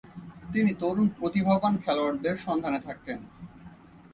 তিনি তরুণ প্রতিভাবান খেলোয়াড়দের সন্ধানে থাকতেন।